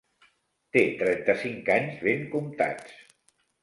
Té trenta-cinc anys ben comptats.